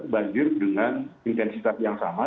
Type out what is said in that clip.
banjir dengan intensitas yang sama